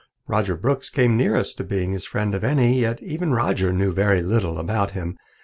Roger Brooks came nearest to being his friend of any, yet even Roger knew very little about him.